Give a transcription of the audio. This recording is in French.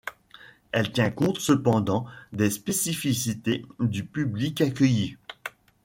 Elle tient compte cependant des spécificités du public accueilli.